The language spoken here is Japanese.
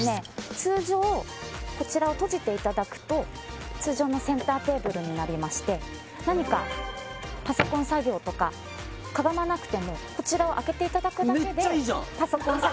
通常こちらを閉じていただくと通常のセンターテーブルになりまして何かパソコン作業とかかがまなくてもこちらを開けていただくだけでメッチャいいじゃん！